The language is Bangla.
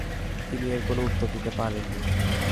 তিনি এর কোন উত্তর দিতে পারেননি।